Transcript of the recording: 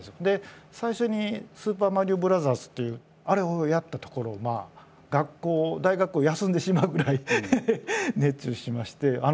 で最初に「スーパーマリオブラザーズ」っていうあれをやったところ学校を大学を休んでしまうぐらい熱中しまして。